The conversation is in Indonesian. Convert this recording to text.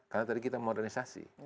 karena tadi kita modernisasi